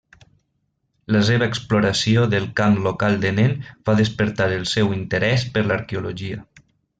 La seva exploració del camp local de nen va despertar el seu interès per l'arqueologia.